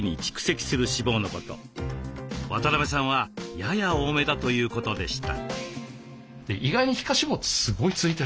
渡邊さんはやや多めだということでした。